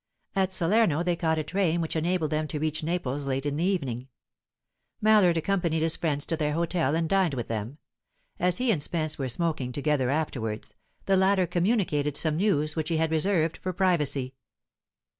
At Salerno they caught a train which enabled them to reach Naples late in the evening. Mallard accompanied his friends to their hotel, and dined with them. As he and Spence were smoking together afterwards, the latter communicated some news which he had reserved for privacy.